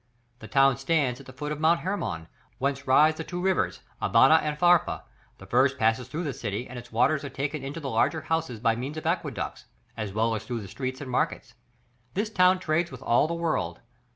The town stands at the foot of Mount Hermon, whence rise the two rivers, Abana and Pharpar; the first passes through the city, and its waters are taken into the larger houses by means of aqueducts, as well as through the streets and markets. This town trades with all the world.